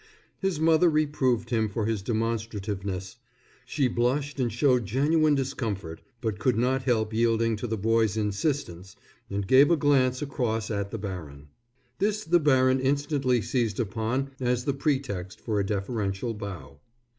His mother reproved him for his demonstrativeness. She blushed and showed genuine discomfort, but could not help yielding to the boy's insistence and gave a glance across at the baron. This the baron instantly seized upon as the pretext for a deferential bow.